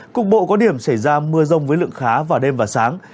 cục bộ có điểm xảy ra mưa rông với lượng khá vào đêm và sáng